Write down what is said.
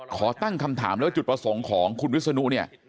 ขอตั้งคำถามแล้วจุดประสงค์ของคุณวิศนุเนี่ย